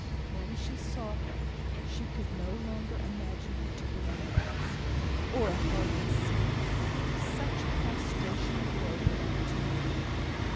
When she saw her, she could no longer imagine her to be an impostor, or a hardened sinner; such prostration of woe belonged to neither.